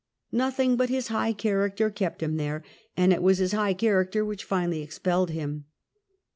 Nothing but his high character kept him there ; and it was his high character which finally expelled him.